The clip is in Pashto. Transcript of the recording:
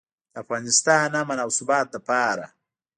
د افغانستان امن او ثبات لپاره.